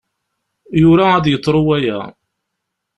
Yura ad yeḍru waya.